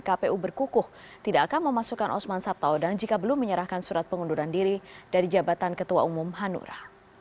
kpu berkukuh tidak akan memasukkan osman sabtaodang jika belum menyerahkan surat pengunduran diri dari jabatan ketua umum hanura